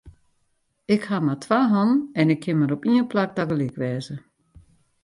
Ik haw mar twa hannen en ik kin mar op ien plak tagelyk wêze.